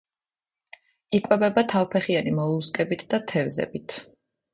იკვებება თავფეხიანი მოლუსკებით და თევზებით.